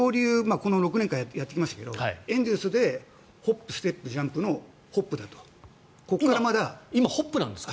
この６年間やってきましたがエンゼルスでホップ・ステップ・ジャンプの今、まだホップですか？